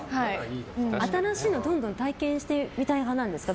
新しいの、どんどん体験してみたい派なんですか？